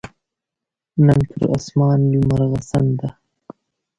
نن پر اسمان لمرغسن ده